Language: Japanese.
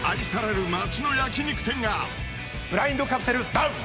ブラインドカプセルダウン！